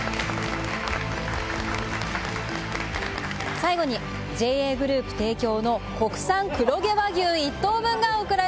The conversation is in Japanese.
最後にＪＡグループ提供の国産黒毛和牛１頭分が贈られます。